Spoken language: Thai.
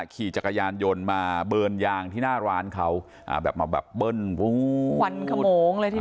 ขี่จักรยานยนต์มาเบิร์นยางที่หน้าร้านเขาอ่าแบบมาแบบเบิ้ลควันขโมงเลยทีนี้